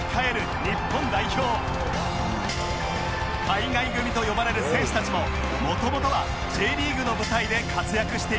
海外組と呼ばれる選手たちも元々は Ｊ リーグの舞台で活躍していました